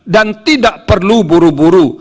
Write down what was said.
dan tidak perlu buru buru